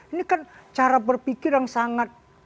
ini kan cara berpikir yang sangat